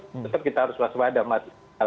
kalau dicabut tetap kita harus waspada mat